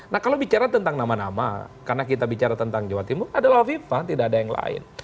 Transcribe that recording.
nah kalau bicara tentang nama nama karena kita bicara tentang jawa timur adalah viva tidak ada yang lain